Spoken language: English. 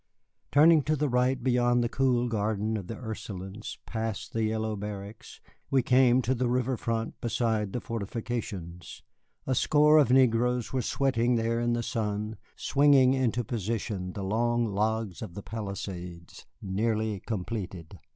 Turning to the right beyond the cool garden of the Ursulines, past the yellow barracks, we came to the river front beside the fortifications. A score of negroes were sweating there in the sun, swinging into position the long logs for the palisades, nearly completed.